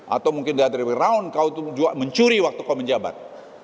atau mungkin dari around kau mencuri waktu kau menjabat